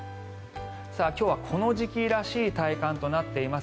今日はこの時期らしい体感となっています。